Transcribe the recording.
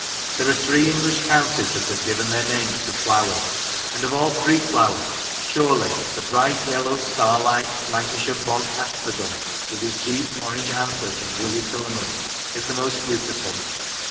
There are three English counties that have given their names to flowers, and of all three flowers surely the bright yellow star like Lancashire bog asphodel, with its deep orange anthers and woolly filaments, is the most beauti ful.